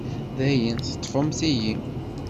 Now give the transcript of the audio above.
Dayen, teḍḍfemt-iyi.